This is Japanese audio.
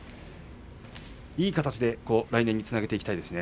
いい形で来年につなげていきたいですね。